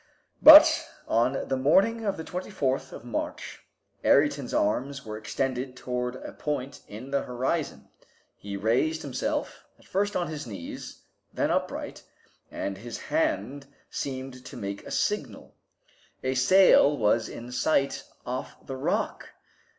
But on the morning of the 24th of March Ayrton's arms were extended toward a point in the horizon; he raised himself, at first on his knees, then upright, and his hand seemed to make a signal. A sail was in sight off the rock.